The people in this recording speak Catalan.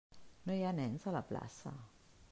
No hi ha nens a la plaça!